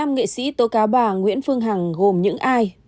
năm nghệ sĩ tố cáo bà nguyễn phương hằng gồm những ai